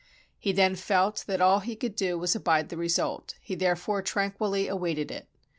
He then felt that all he could do was to abide the result; he therefore tran quilly awaited it.